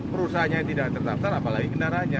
perusahaannya tidak terdaftar apalagi kendaraannya